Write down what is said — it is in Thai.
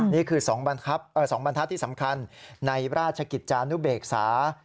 นี่คือ๒บรรทัศน์ที่สำคัญในราชกิจจานุเบกษา